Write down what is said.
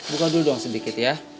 buka dulu dong sedikit ya